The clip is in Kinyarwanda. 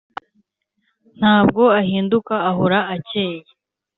Ntabwo ahinduka ahora acyeye.